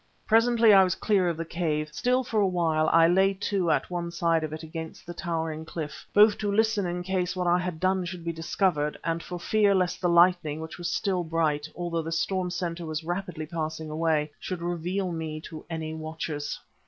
Presently I was clear of the cave. Still for a while I lay to at one side of it against the towering cliff, both to listen in case what I had done should be discovered, and for fear lest the lightning which was still bright, although the storm centre was rapidly passing away, should reveal me to any watchers.